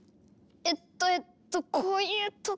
えっとえっとこういう時は。